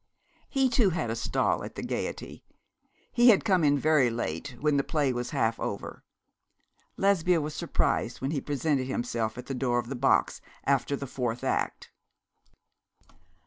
He too had a stall at the Gaiety. He had come in very late, when the play was half over. Lesbia was surprised when he presented himself at the door of the box, after the fourth act.